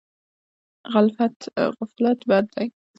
غفلت بد دی.